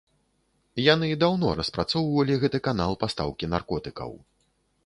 Яны даўно распрацоўвалі гэты канал пастаўкі наркотыкаў.